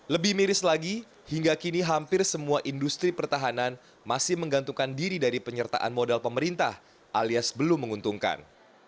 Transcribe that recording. lebih miris lagi hingga kini hampir semua industri pertahanan masih menggantungkan diri dari penyertaan modal pemerintah alias belum menguntungkan